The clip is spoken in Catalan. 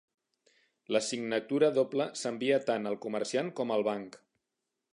La signatura doble s'envia tant al comerciant com al banc.